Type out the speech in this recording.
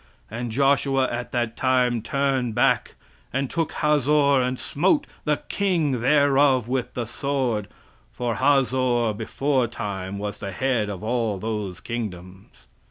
And Joshua at that time turned back, and took Hazor, and smote the king thereof with the sword; for Hazor beforetime was the head of all those kingdoms.